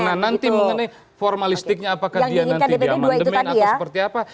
nah nanti mengenai formalistiknya apakah dia yang mendemain atau seperti apa